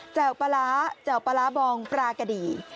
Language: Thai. วปลาร้าแจ่วปลาร้าบองปลากะดี